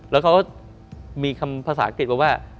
แล้วเขาก็มีคำภาษาอังกฤษมาว่า